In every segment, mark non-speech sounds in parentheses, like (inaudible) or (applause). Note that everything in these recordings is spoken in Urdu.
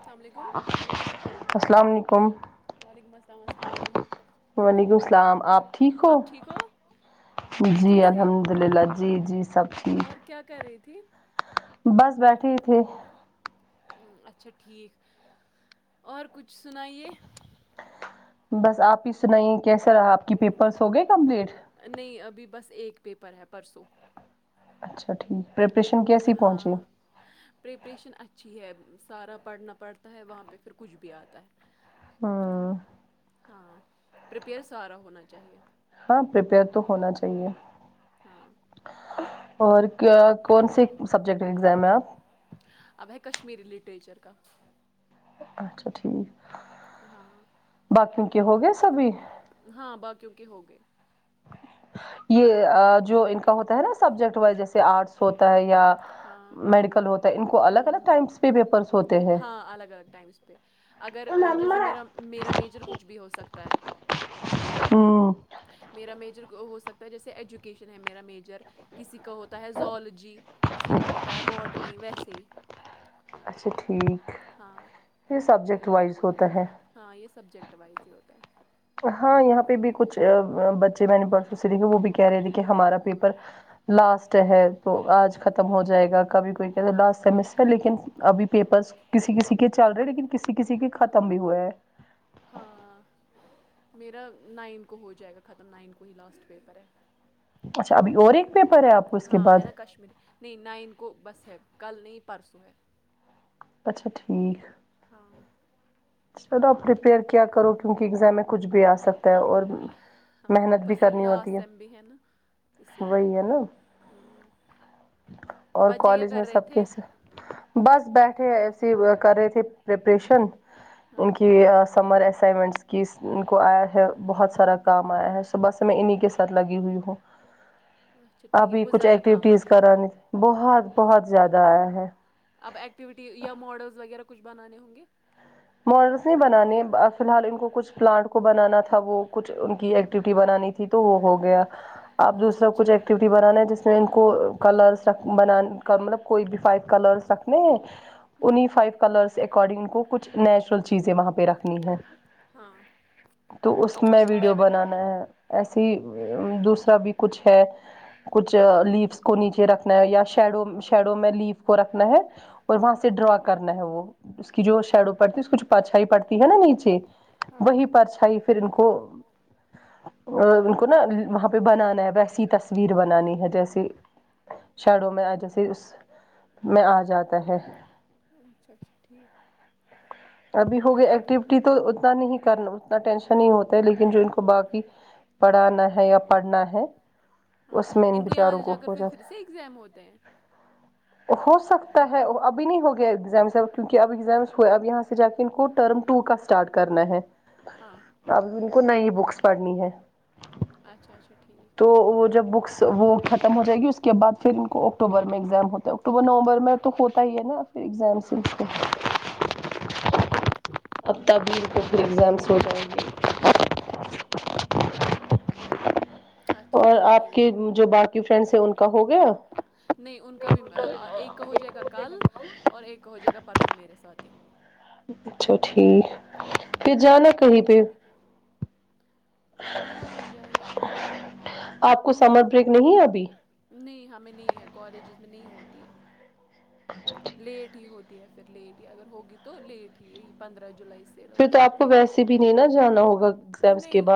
السلام علیکم السلام علیکم وعلیکم السلام آپ ٹھیک ہو جی الحمد اللہ جی جی سب ٹھیک اور کیا کر رہی تھی بس بیٹھے تھی اچھا ٹھیک اور کچھ سنائیے بس آپ ہی سنائیے کیسا رہا آپ کی پیپرس ہو گئے کمپلیٹ نہیں ابھی بس ایک پیپر ہے پرسوں اچھا ٹھیک پرریپریشن کیسی پہنچی پریپریشن اچھی ہے سارا پڑھنا پڑھتا ہے وہاں پہ پھر کچھ بھی آتا ہے ہاں ہاں پپیئر سارا ہونا چاہیے ہاں پپیئر تو ہونا چاہیے ہاں اور کیا کون سے سبجیکٹ ایگزام ہے آپ اب ہے کشمیری لٹریچر کا اچھا ٹھیک ہاں ہاں باقیوں کے ہو گئے ج یہ جو ان کا ہوتا ہے نا سبجیکٹ وائز جیسے آرٹس ہوتا ہے یا میڈیکل ہوتا سب ہوتے الگ الگ ٹائمز پے پپیرس ہاں الگ الگ ٹائمس پہ ا جیسے میرا میرا میجر کچھ بھی ہو سکتا ہے میرا میجر ہو سکتا ہے جیسے ایجوکیشن ہے میرا میجر کسی کا ہوتا ہے زالوجی کسی کا ہوتا ہے بوٹنی ویسے ہی اچھا ٹھیک یہ سبجیکٹ وائز ہوتا ہے ہاں یہ سبجیکٹ وائز ہی ہوتا ہے ہاں یہاں پہ بھی کچھ بچے میں نے پسوں سے دیکے وہ بھی کہہ رہے تھے کہ ہمارا پیپر لاسٹ ہے تو آج ختم ہو جائے گا کبھی کوئی کہ لاسٹ سیمسٹر لیکن ابھی پیپر کسی کسی کے چل رہے ہیں لیکن کسی کسی کے ختم بھی ہوئے ہے ہاں میرا نائن کو ہو جائے گا ختم نائن کو ہی لاسٹ پیپر ہے اب بورنگ پیپر ہے ہاں ہے نا کشمیری نہیں نائن کو بس ہے کل نہیں پرسوں ہے اچھا ٹھیک ہاں چلو آپ پرپیئرکیا کرو کیونکہ ایگزام میں کچھ بھی آ سکتا ہے اور ہاں اپر سے لاسٹ سیم بھی ہیں نا وہی ہے نا ہوں اور کالج میں سب کیسے بس بیٹھے ایسے کر رہے تھے پریپریشن ان کی سمر اسائنمنٹس کی ان کو آیا ہے بہت سارا کام آیا ہے صبح سے میں انہیں کے ساتھ لگی ہوئی ہوں ابھی کچھ ایکٹیوٹیز کرانے بہت بہت زیادہ آیا ہے اب ایکٹیویٹی یا ماڈلس وغیرہ کچھ بنانے ہوں گے ماڈلس نے بنانے فی الحال ان کو کچھ پلانٹ کو بنانا تھا وہ کچھ ان کی ایکٹیوٹی بنانی تھی تھی تو وہ ہو گیا اب دوسرا کچھ ایکٹیوٹی بنانا ہے جس میں ان کو کلرس رکھ بنان مطلب کوئی بھی فائیو کلرس رکھنے ہیں انہیں فائیو کلرس اکارڈنگ ان کو کچھ نیچرل چیزیں وہاں پہ رکھنی ہے ہاں تو اس میں ویڈیو بنانا ہے ایسے ہی دوسرا بھی کچھ ہے کچھ لیفس کو نیچے رکھ نا یا شیڈو شیڈو میں لیف کو رکھنا ہے اور وہاں سے ڈرا کرنا ہے وہ اس کی جو شیڈو پڑتی اس کی جو پرچھائی پڑتی ہے نا نیچے وہی پرچھائی (unintelligible) پئی تر کو ا ان کو نا وہاں پہ بنانا ہے ویسی تصویر بنانی ہے جیسے شیڈو میں جیسے اس میں آ جاتا ہے اچھا اچھا ٹھیک ابھی ہو گیا ایکٹیوٹی تو اتنا نہیں کرنا اتنا ٹینشن نہیں ہوتا ہے لیکن جو ان کو باقی پڑھانا ہے یا پڑھنا ہے ہاں ان کو یہاں لے جا کر پھر پھر سے ایگزام ہوتے ہیں ہو سکتا ہے ابھی نہیں ہو گیا ایگزامس اب کیونکہ اب ایگزامس ہوئے اب یہاں سے جا کے ان کو ٹرم ٹو کا اسٹارٹ کرنا ہے ہاں اب انکو نئی بکس پڑھنی ہے اچھا اچھا ٹھیک تو وہ جب بکس وہ ختم ہو جائے گی اس کے بعد پھر ان کو اکٹوبر میں ایگزام ہوتا ہے اکتوبر نومبر میں تو ہوتا ہی ہے نا پھر ایگزام سے اس اب تبیر کو پر ایگزامس ہو جائے گے اور آپ کے جو باقی فرینڈس ہیں ان کا ہو گیا نہیں ان کا بھی ایک کا ہو جائے گا کل اور ایک کا ہو جائے گا پرسوں میرے ساتھ ہی اچھا ٹھیک پھر جانا کہیں پہ ہاں ہاں جائیں گے نا پھر آپ کو سمد نہیں ہمیں نہیں ہے کالجز میں نہیں ہوتی ہے اچھا لیٹ ہی ہوتی ہے پھر لیٹ ہی اگر ہوگی تو لیٹ ہی یہی پندرہ جولائی سے ہو ستی ہے نہیں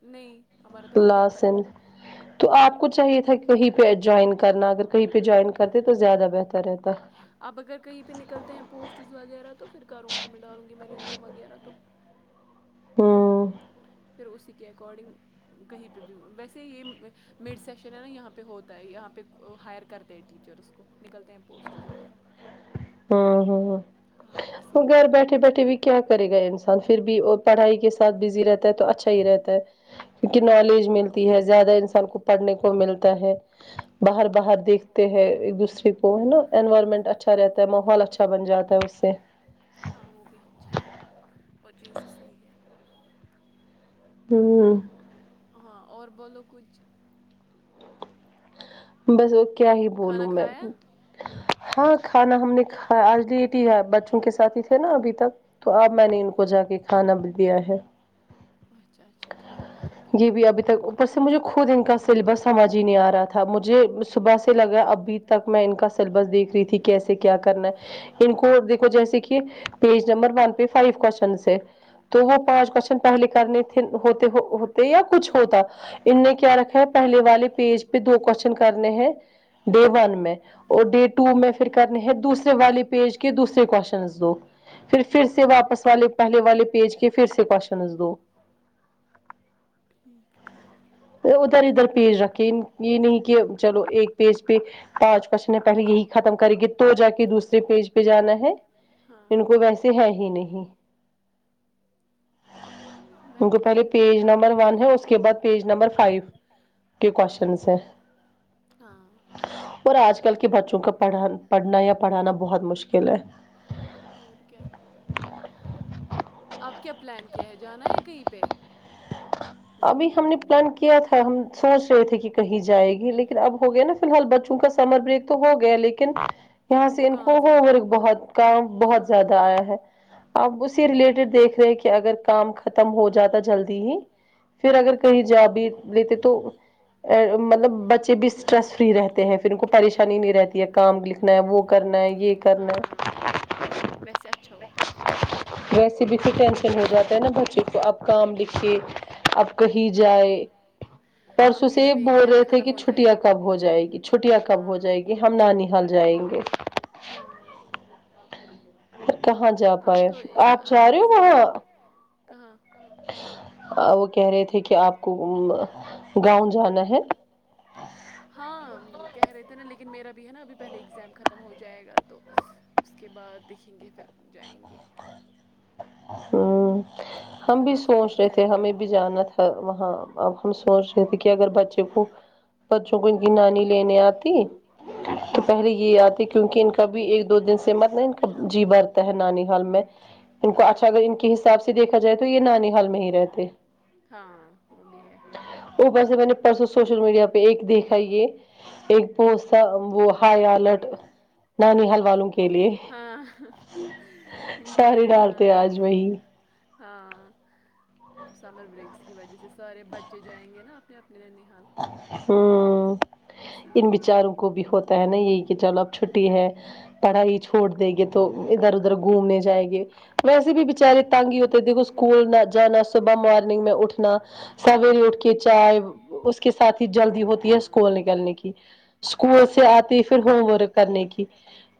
نہیں ہمارا تو ہو گیا ختم ہاں آپ کو چاہیے تھا کہیں پہ جوائن کرنا کہیں پہ جوائن کر تو زیادہ بہتر اپ اگر کہیں پہ نکلتے ہیں پوسٹز وغیرہ تو پھر کروں گی میں ڈالوں گی میں ریزیوم وغیرہ تو ہاں پھر اسی کے اکارڈنگ کہیں پہ بھی ویسے یہ مڈ سیشن ہے نا یہاں پہ ہوتا ہے یہاں پہ ہائر کرتے ہیں ٹیچر اس کو نکلتے ہیں پوسٹز وغیرہ ہمم ہمم اور گھر بیٹھے بیٹھے بھی کیا کرے گا انسان پھر بھی اور پڑھائی کے ساتھ بزی رہتا ہے تو اچھا ہی رہتا ہے کیونکہ نالج ملتی ہے زیادہ انسان کو پڑھنے کو ملتا ہے باہر باہر دیکھتے ہے ایک دوسرے کو ہے نا انوائرمنٹ اچھا رہتا ماحول اچھا بن جاتا ہے اس سے ہاں وہ بھی اچھا ہے اور چیز تو صحیح ہے ہوں ہاں اور بولو کچھ بس کیا ہی بولوں میں ہاں کھانا ہم نے کھا آج لیٹ ہی ہے بچوں کے ساتھ ہی تھے نا ابھی تک تو اب میں نے ان کو جا کے کھانا بھی دیا ہے اچھا اچھا ٹھیک اچھا کیا (unintelligible) مجھے صبح سے لگا ابھی تک میں ان کا سلیبس دیکھ رہی تھی کیسے کیا کرنا ہے ان کو اور دیکھو جیسے کہ پیج نمبر ون پہ فائیو کوشچن سے تو وہ پانچ کوشن پہلے کرنے ہوتے یا کچھ ہوتا ان نے کیا رکھا ہے پہلے والے پیج پے دو کوشچن کرنے ہیں ڈے ون میں اور ڈے ٹو میں پھر کرنے ہیں دوسرے والے پیچ کے دوسرے کوشچن دو پھر پھر سے واپس والے پہلے والے پیج کے پھر سے کوشچنز دو ٹھیک ٹھیک ادھر ادھر پیج رکھے یہ نہیں کہ چلو ایک پیج پہ پانچ کوشچن پہلے یہی ختم کری گی کرے گی تو جاکے دوسرے پیج پہ جانا ہے ہاں جن پے ویسے ہے ان کو پہلے پیج نمبر ون ہے اس کے بعد پیج نمبر فائیو کے کوشنس ہیں اور آج کل کے بچوں کا پڑھ پڑھنا یا پڑھانا بہت مشکل ہے اور کیا اب کیا پلان کیا ہے جانا ہے کہیں پہ ابھی ہم نے پلان کیا تھا ہم سوچ رہے تھے کہ کہیں جائے گی لیکن اب ہو گیا ناں فی الحال بچوں کا سمر بریک تو ہو گیا لیکن یہاں سے ان کو ہوم ورک بہت کام بہت زیادہ آیا ہے اب اس سے‌ ریلیٹڈ دیکھ رہے کہ اگر کام ختم ہو جاتا جلدی ہی پھر اگر کہیں جا بھی لیتے تو مطلب بچے بھی اسٹریس فری رہتے ہیں پھر ان کو پریشانی نہیں رہتی ہے کام لکھنا ہے وہ کرنا ہے یہ کرنا ہے ویسے بھی پھر ٹینشن ہو جاتا ہے ناں بچوں کو اب کام لکھے اب کہیں جائے پرسوں سے یہ بول رہے تھے کہ چھٹیاں کب ہو جائے گی چھٹیاں کب ہو جائے گی ہم نانیہال جائیں گے ہاں کہاں جا پائے آپ جا رہے ہو وہاں وہ کہہ رہے تھے کہ آپ کو گاؤں گاؤں جانا ہے ہاں ہاں کہہ رہے تھے ناں لیکن میرا بھی ہے ناں ابھی پہلے ایگزام ختم ہو جائے گا تو اس کے بعد دکھیں گے پھر جائیں گے ہوں ہم بھی سوچ رہے تھے ہمیں بھی جانا تھا وہاں اب ہم سوچ رہے تھے کہ اگر بچے کو بچوں کو ان کی نانی لینے آتی تو پہلے یہ آتی کیونکہ ان کبھی ایک دو دن سے مت نہیں ان کا جی برتا ہے نانیہال میں ان کو اچھا اگر ان کے حساب سے دیکھا جائے تو یہ ننیہال میں ہی رہتے اوپر سے میں نے پرسوں سوشل میڈیا پہ ایک دیکھا یہ ایک پوسٹ تھا وہ ہائی الرٹ چلو ننیہال والو کے لیے ہاں ان کے لیے ہاں ہاں اب سمر بریکس کی وجہ سے سارے بچے جائیں گے ناں اپنے اپنے ننھیال ہوں ان بچاروں کو بھی ہوتا ہے ناں یہی کہ چلو اب چھٹی ہے پڑھائی چھو چھوڑ دیں گے تو ادھر ادھر گھومنے جائیں گے ویسے بھی بچارے تنگ ہی ہوتے دیکھو اسکول نہ جانا صبح مارننگ میں اٹھنا سویر اٹ کے چائے اس کے ساتھ ساتھ ہی جلدی ہوتی ہے اسکول نکلنے کی اسکول سے آتے ہی پھر ہوم ورک کرنے کی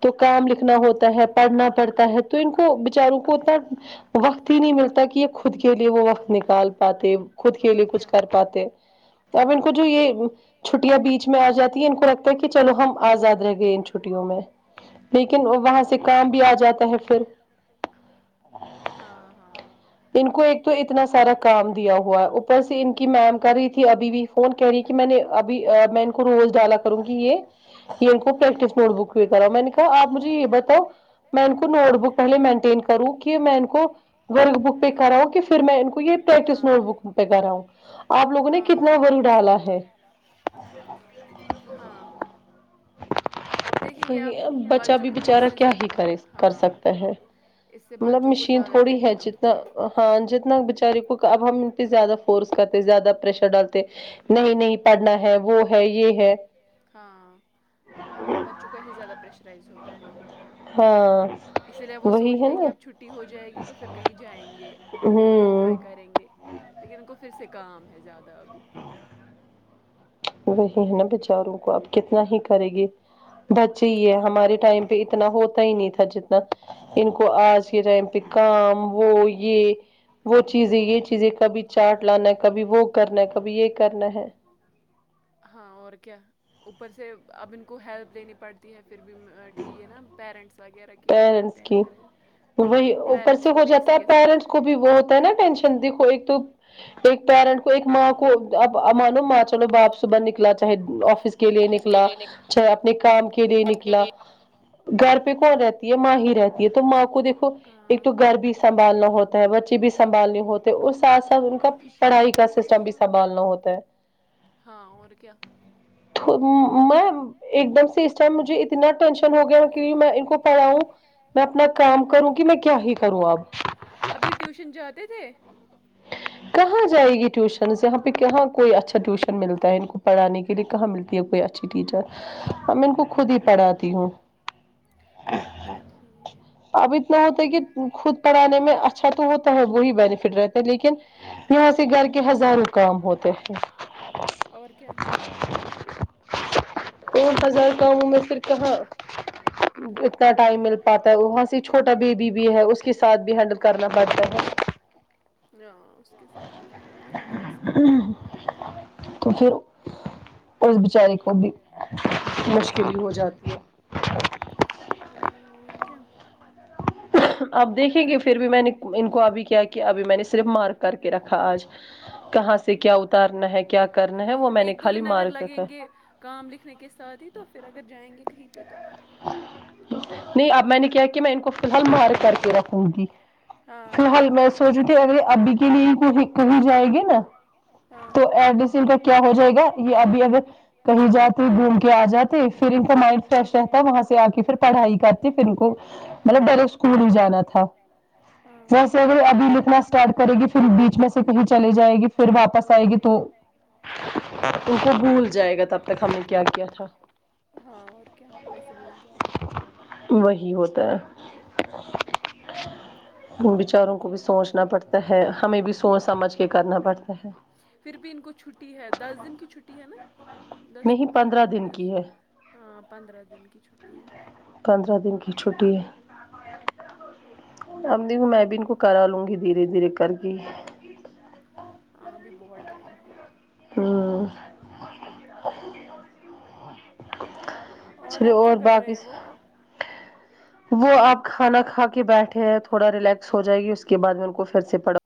تو کام لکھنا ہوتا ہے پڑھنا پڑتا ہے تو ان کو بچاروں کو اتنا وقت ہی نہیں ملتا کہ یہ خود کے لیے وہ وقت نکال پاتے خود کے لیے کچھ کر پاتے اب ان کو جو یہ چھٹیاں بیچ میں آ جاتی ہے ان کو لگتا ہے کہ چلو ہم آزاد رہ گئے ان چھٹیوں میں لیکن وہاں سے کام بھی آ جاتا ہے پھر ہاں ہاں ان کو ایک تو اتنا سارا کام دیا ہوا ہے اوپر سے ان کی میم کر رہی تھی ابھی بھی فون کہہ رہی ہے کہ میں نے اب میں ان کو روز ڈالا کروں گی یہ یہ ان کو پریکٹس نوٹ بک بھی کرا میں نے کہا میں ان کو نوٹ بک پہلے مینٹین کروں کہ میں ان کو ورک بک پہ کراؤں کہ پھر میں ان کو یہ پریکٹس نوٹ بک پہ کراؤں ہاں ہاں (unintelligible) ہاں اب دیکھیں گے آپ اب بچہ بھی بیچارا کیا ہی کرے کر سکتا ہے مطلب مشین تھوڑی ہے جتنا ہاں جتنا بچارے کو اب ہم ان پہ زیادہ فورس کرتے زیادہ پریشر ڈالتے نہیں نہیں پڑھنا ہے وہ ہے یہ ہے ہاں بچوں کو ایسے زیادہ پریشرائز ہوتا ہے نا ہاں اسی لیے وہ سوچتے ہیں کہ اب چھٹی ہو جائے گی تو پھر کہیں جائیں گے وہ انجوائے کریں گے لیکن ان کو پھر سے کام ہے زیادہ ابھی وہی ہے نا بچاروں کو اب کتنا ہی کرے گی بچے ہی ہے ہمارے ٹائم پہ اتنا ہوتا ہی نہیں تھا جتنا ان کو آج ک ٹائم پہ کام وہ یہ وہ چیزیں یہ چیزیں کبھی چاٹ لانا ہے کبھی وہ کرنا کبھی یہ کرنا ہے ہاں اور کیا اوپر سے اب ان کو ہیلپ لینی پڑتی ہیں پھر بھی (unintelligible) نا پیرنٹس وغیرہ کی تو کرتے ہیں پر ہاں پیرنٹس کو بھی اسی کے ساتھ وہ ہوتا ہے نا ٹینشن دیکھو ایک تو ایک پیرنٹ کو ایک ماں کو اب مانو ماں چلو باپ صبح نکلا چاہے آفس کے لیے نکلا چاہے اپنے کام کے لیے نکلا گھر پہ کون رہتا ماں ہی رہتی ہے تو ماں کو دیکھو ایک تو گھر بھی سنبھالنا ہوتا ہے بچے بھی سنبھالنے ہوتے ہوتے اس ساتھ ساتھ ان کا پڑھائی کا سسٹم بھی سنبھالنا ہوتا ہے ہاں اور کیا میں ایک دم سے اس ٹائم مجھے اتنا ٹینشن ہو گیا کی میں ان کو آؤں میں اپنا کام کروں گی میں کیا ہی کروں اب ابھی ٹیوشن جاتے تھے کہاں جائے گی ٹیوشنس یہاں پہ کہاں کوئی اچھا ٹیوشن ملتا ہے ان کو پڑھانے کے لیے کہاں ملتا یہ کوئی اچھی ٹیچر ا میں ان کو خود ہی پڑھاتی ہوں اچھا ٹھیک اب اتنا ہوتا ہے کہ خود پڑھانے میں اچھا تو ہوتا ہے وہی بینیفٹ رہتا ہے لیکن لیکن یہاں سے گھر کے ہزاروں کام ہوتے اور کیا تو ہزار کاموں میں پھر کہاں اتنا ٹائم مل پاتا ہے وہاں سے چھوٹا بےبی بھی ہے اس کے ساتھ بھی ہینڈل کرنا پڑتا ہے ہاں اس کے ساتھ بھی ٹائم نہیں ہے ٹائم اسپینڈ وغیرہ تو پھر اس بچاری کو بھی مشکل ہی ہو جاتی ہے ہاں اور کیا اب دیکھیں گے پھر بھی میں نے ان کو ابھی کیا کہ ابھی میں نے صرف مارک کر کے رکھا آج آج کہاں سے کیا اتارنا ہے ایک دو دن اگر لگیں گے کام لکھنے کے ساتھ ہی تو پھر اگر جائیں گے کہیں پہ تو نہیں آپ میں نے کیا کہ میں ان کو فی الحال مارک کر کے رکھوں گی فی الحال میں سوچھتی تھی ابھی کے لیے کہی جائے گی نا تو ایڈمیشن کا کیا ہو جائے گا یہ ابھی اگر کہیں جاتے گھوم کے آ جاتے پھر ان کا مائنڈ فریش رہتا وہاں سے آ کے پھر پڑھائی کرتے پھر مطلب ڈائریکٹ اسکول ہی جانا تھا ہاں جیسے اگر ابھی لکھنا اسٹارٹ کرے گی پھر بیچ میں سے کہیں چلے جائے گی پھر واپس آئے گی تو ان کو بھول جائے گا تب تک ہم نے کیا کیا تھا ہاں اور کیا ویسے بھول جاتے ہے وہی ہوتا ہے وہ بیچاروں کو بھی سوچنا پڑتا ہے ہمیں بھی سوچ سمجھ کے کرنا پڑتا ہے پھر بھی ان کو چھٹی ہے دس دن کی چھٹی ہے نا دس دس ہاں پندرہ دن کی چھٹی ہے پندرہ دن کی چھٹی ہے (unintelligible) اب دیکھو میں بھی ان کو کرا لوں گی دھیرے دھیرے کر کے ہاں ابھی بہت ٹائم ہے ہاں اور آپ کیا کر رہے ہیں وہ وہ آپ کھانا کھا کے بیٹھے ہیں تھوڑا ریلیکس ہو جائے گی اس کے بعد میں ان کو پھر سے پڑا